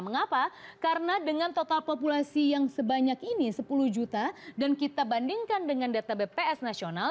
mengapa karena dengan total populasi yang sebanyak ini sepuluh juta dan kita bandingkan dengan data bps nasional